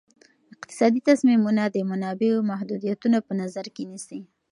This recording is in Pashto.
اقتصادي تصمیمونه د منابعو محدودیتونه په نظر کې نیسي.